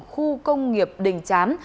khu công nghiệp đình chám